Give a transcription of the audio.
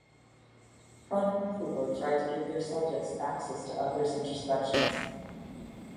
Pronin and Kugler tried to give their subjects access to others' introspections.